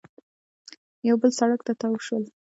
یو بل سړک ته تاو شول